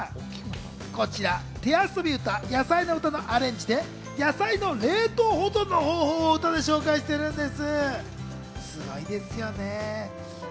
こちら手遊び歌『やさいのうた』のアレンジで野菜の冷凍保存の方法を歌で紹介しているんです。